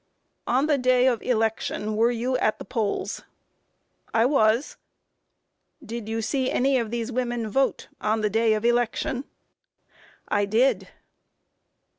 Q. On the day of election were you at the polls? A. I was. Q. Did you see any of these women vote on the day of election? A. I did.